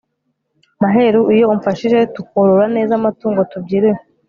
maheru iyo umfashije tukorora neza amatungo tubyiruye